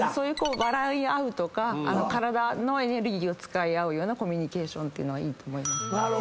笑い合うとか体のエネルギーを使い合うようなコミュニケーションはいいと思います。